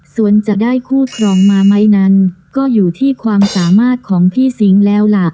ส่วนจะได้คู่ครองมาไหมนั้นก็อยู่ที่ความสามารถของพี่สิงห์แล้วล่ะ